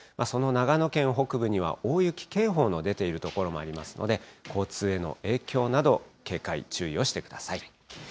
その長野県北部には大雪警報の出ている所もありますので、交通への影響など、警戒、注意をしてください。